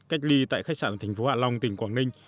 cách ly tại khách sạn tp hạ long tỉnh quảng ninh